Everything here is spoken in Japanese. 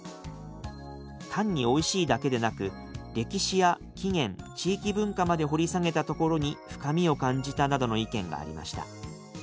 「単においしいだけでなく歴史や起源地域文化まで掘り下げたところに深みを感じた」などの意見がありました。